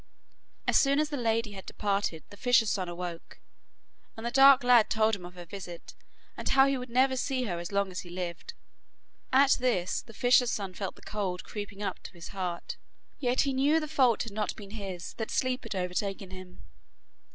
As soon as the lady had departed the fisher's son awoke, and the dark lad told him of her visit, and how he would never see her as long as he lived. At this the fisher's son felt the cold creeping up to his heart, yet he knew the fault had not been his that sleep had overtaken him.